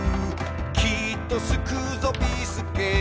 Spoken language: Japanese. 「きっと救うぞ、ビーすけ」